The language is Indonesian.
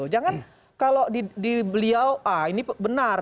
jangan kalau di beliau ah ini benar